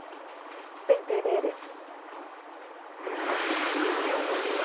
スペインＴＶＥです。